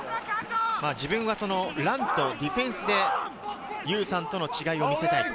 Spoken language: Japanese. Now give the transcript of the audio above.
自分はディフェンスで優さんとの違いを見せたい。